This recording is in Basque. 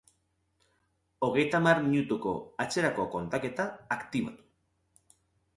Hogeitamar minutuko atzerako kontaketa aktibatu.